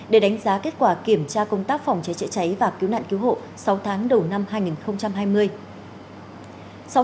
để đánh giá kết quả kiểm tra công tác phòng cháy chữa cháy và cứu nạn cứu hộ sáu tháng đầu năm hai nghìn hai mươi